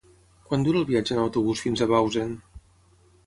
Quant dura el viatge en autobús fins a Bausen?